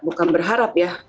bukan berharap ya